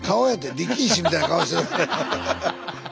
力石みたいな顔してる。